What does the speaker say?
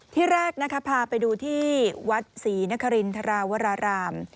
ที่แรกนะคะพาไปดูที่วัดศรีนครินทราวราราม